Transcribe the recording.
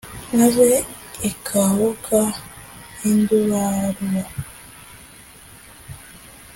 Maze ikaboga indubaruba.